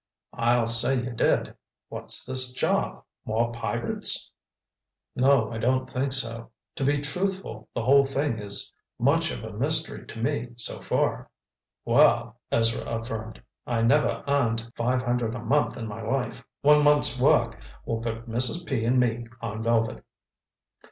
"I'll say you did! What's this job—more pirates?" "No, I don't think so. To be truthful, the whole thing is much of a mystery to me so far." "Well," Ezra affirmed, "I never earned five hundred a month in my life. One month's work will put Mrs. P. and me on velvet."